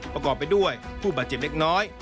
ประกอบไปด้วยผู้บาดเจ็บเล็กน้อย